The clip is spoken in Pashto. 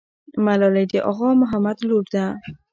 ملالۍ د اغا محمد لور ده.